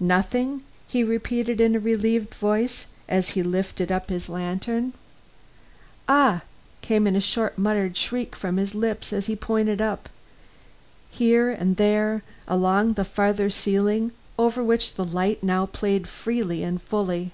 "Nothing?" he repeated in a relieved voice, as he lifted up his lantern. "Ah!" came in a sort of muttered shriek from his lips, as he pointed up, here and there, along the farther ceiling, over which the light now played freely and fully.